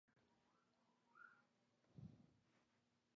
Esta película fue producida por Walt Disney Pictures.